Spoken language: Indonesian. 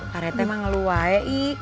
pak retta mah ngeluai